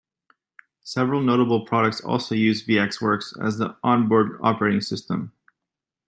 Several notable products also use VxWorks as the onboard operating system.